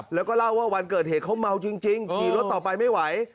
แล้วก็เล่าว่าวันเกิดเหตุเขาเมาจริงขี่รถต่อไปไม่ไหว